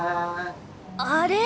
あれ？